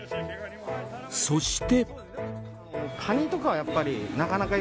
そして。